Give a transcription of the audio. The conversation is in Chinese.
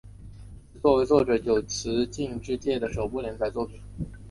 此作为作者久慈进之介的首部连载作品。